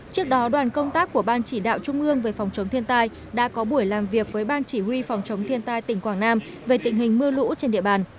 trước đó đoàn công tác của ban chỉ đạo trung ương về phòng chống thiên tai đã có buổi làm việc với ban chỉ huy phòng chống thiên tai tỉnh quảng nam về tình hình mưa lũ trên địa bàn